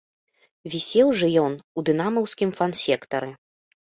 Вісеў жа ён у дынамаўскім фан-сектары.